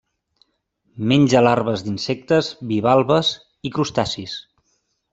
Menja larves d'insectes, bivalves i crustacis.